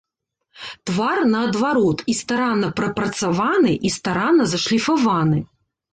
Твар, наадварот, і старанна прапрацаваны, і старанна зашліфаваны.